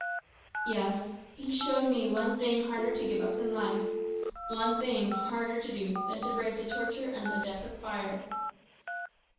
"Yes. He showed me one thing harder to give up than life; one thing harder to do than to brave the torture and the death of fire."